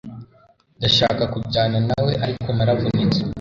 Ndashaka kujyana nawe ariko naravunitse